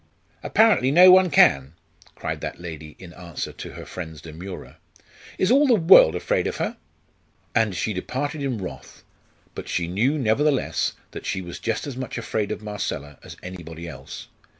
"Apparently no one can!" cried that lady in answer to her friend's demurrer; "is all the world afraid of her?" And she departed in wrath. But she knew, nevertheless, that she was just as much afraid of Marcella as anybody else.